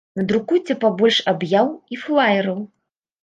Надрукуйце пабольш аб'яў і флаераў.